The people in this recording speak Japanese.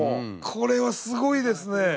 これはすごいですね。